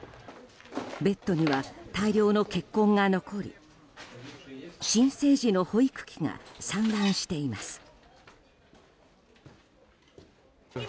ベッドには大量の血痕が残り新生児の保育器が散乱しています。